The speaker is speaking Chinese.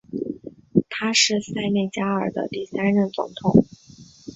他是塞内加尔的第三任总统。